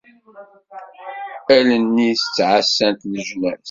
Allen-is ttɛassant leǧnas.